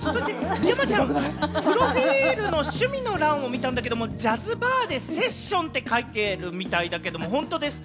山ちゃん、プロフィルの趣味の欄を見たんだけれど、ジャズバーでセッションって書いてるみたいだけれども本当ですか？